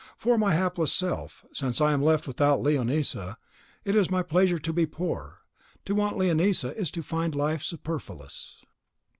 For my hapless self, since I am left without Leonisa, it is my pleasure to be poor. To want Leonisa, is to find life superfluous."